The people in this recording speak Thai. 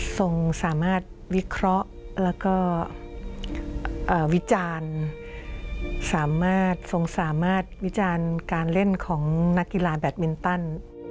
ทรงสามารถวิเคราะห์แล้วก็วิจารณ์สามารถทรงสามารถวิจารณ์การเล่นของนักกีฬาแบตมินตัน